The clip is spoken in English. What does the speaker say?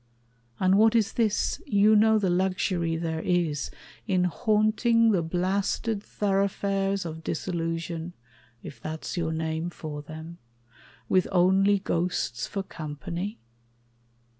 And what is this? You know the luxury there is in haunting The blasted thoroughfares of disillusion If that's your name for them with only ghosts For company?